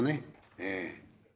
ええ。